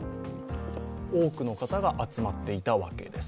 多くの方が集まっていたわけです。